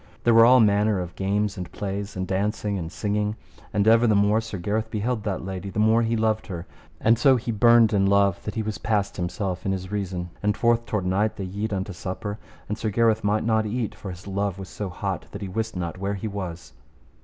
There were all manner of games and plays, of dancing and singing. And ever the more Sir Gareth beheld that lady, the more he loved her; and so he burned in love that he was past himself in his reason; and forth toward night they yede unto supper, and Sir Gareth might not eat, for his love was so hot that he wist not where he was.